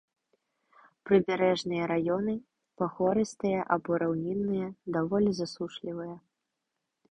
Прыбярэжныя раёны пагорыстыя або раўнінныя, даволі засушлівыя.